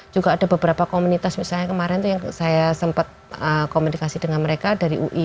juga ada beberapa komunitas misalnya kemarin itu yang saya sempat komunikasi dengan mereka dari ui